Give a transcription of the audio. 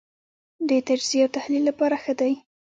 د تجزیې او تحلیل لپاره ښه دی.